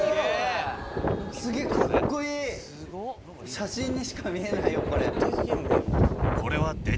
写真にしか見えないよ。